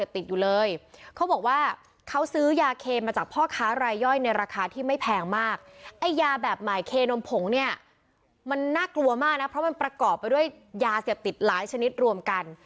เพราะกอบหรือด้วยยาเสพติดหลายชนิดรวมกัน